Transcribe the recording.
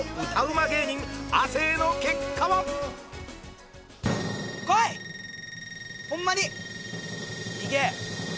ま芸人亜生の結果はホンマにいけ！